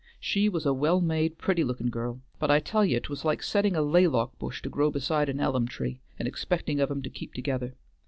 She was a well made, pretty lookin' girl, but I tell ye 't was like setting a laylock bush to grow beside an ellum tree, and expecting of 'em to keep together.